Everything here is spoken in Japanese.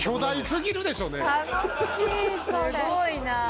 すごいな。